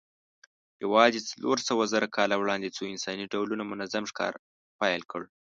یواځې څلورسوهزره کاله وړاندې څو انساني ډولونو منظم ښکار پیل کړ.